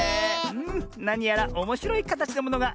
なにやらおもしろいかたちのものがでてきたね。